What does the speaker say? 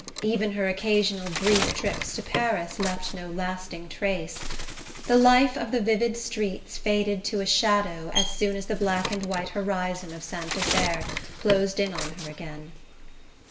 Even her occasional brief trips to Paris left no lasting trace: the life of the vivid streets faded to a shadow as soon as the black and white horizon of Saint Desert closed in on her again.